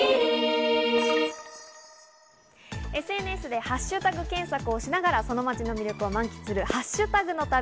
ＳＮＳでハッシュタグ検索をしながら、その街の魅力を満喫するハッシュタグの旅。